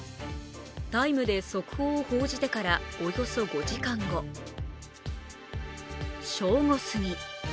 「ＴＩＭＥ」で速報を報じてから、およそ５時間後、正午過ぎ。